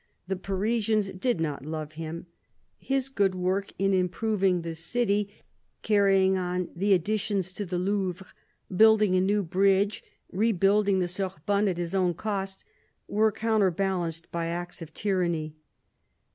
The Parisians did not love him : his good work in im proving the city, carrying on the additions to the Louvre, building a new bridge, rebuilding the Sorbonne at his own cost, was counterbalanced by acts of tyranny.